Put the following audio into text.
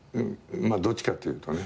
どっちかっていうとね。